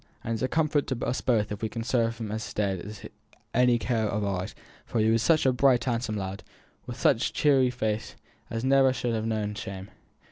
And it's a comfort to us both if we can serve him as is dead by any care of ours, for he were such a bright handsome lad, with such a cheery face, as never should ha' known shame."